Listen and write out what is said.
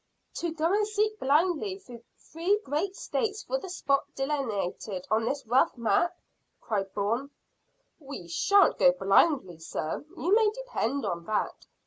"To go and seek blindly through three great States for the spot delineated on this rough map?" cried Bourne. "We shan't go blindly, sir; you may depend on that.